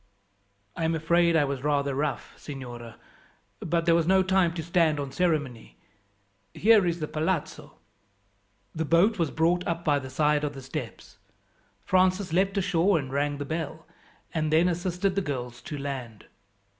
"I am afraid I was rather rough, signora, but there was no time to stand on ceremony. Here is the palazzo." The boat was brought up by the side of the steps. Francis leapt ashore and rang the bell, and then assisted the girls to land.